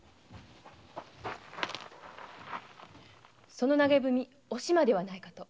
その投げ文おしまではないかと。